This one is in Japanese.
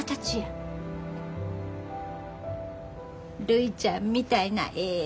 「るいちゃんみたいなええ